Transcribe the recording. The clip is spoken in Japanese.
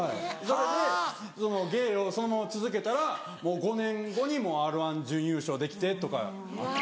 それでその芸をそのまま続けたら５年後に『Ｒ−１』準優勝できてとかあって。